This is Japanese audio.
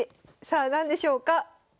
さあ何でしょうか？